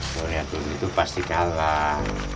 kalau lihat lu begitu pasti kalah